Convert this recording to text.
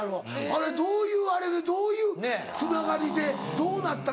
あれどういうあれでどういうつながりでどうなったのか。